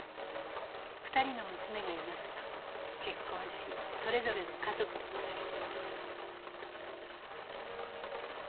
２人の娘がいますが結婚しそれぞれの家族と暮らしています。